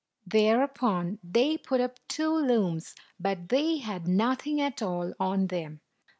Thereupon, they put up two looms, but they 1 17 1 1 8 had nothing at all on them.